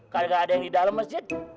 kan gak ada yang di dalam masjid